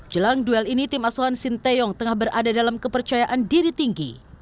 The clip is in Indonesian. jelang duel ini tim asuhan sinteyong tengah berada dalam kepercayaan diri tinggi